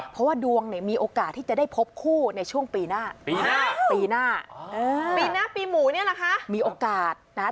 เพราะว่าดวงมีโอกาสที่จะได้พบคู่ในช่วงปีหน้า